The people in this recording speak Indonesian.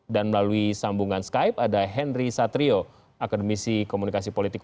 dan melalui sambungan skype ada henry satrio akademisi komunikasi politik